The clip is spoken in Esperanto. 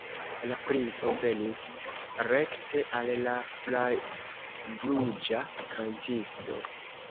La princo venis rekte al la flavruĝa kantisto.